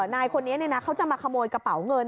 นายคนนี้เขาจะมาขโมยกระเป๋าเงิน